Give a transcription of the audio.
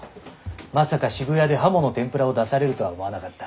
まさか渋谷で鱧の天ぷらを出されるとは思わなかった。